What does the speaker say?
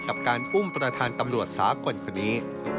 กับการอุ้มประธานตำรวจสากลคนนี้